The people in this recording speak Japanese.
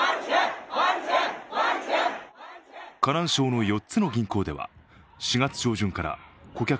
河南省の４つの銀行では、４月上旬から顧客